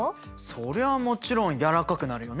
そりゃもちろん軟らかくなるよね。